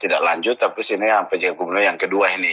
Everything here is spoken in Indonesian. tidak lanjut tapi sini yang pj gubernur yang kedua ini